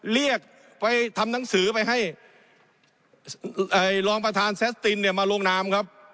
เรียกไปทำหนังสือไปให้รองประธานแซสตินเนี่ยมาลงนามครับ